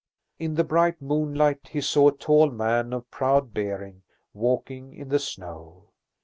In the bright moonlight he saw a tall man of proud bearing walking in the snow.